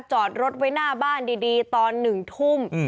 จอดรถไว้หน้าบ้านดีตอน๑ทุ่ม